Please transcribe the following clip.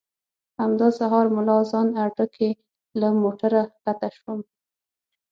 همدا سهار ملا اذان اډه کې له موټره ښکته شوم.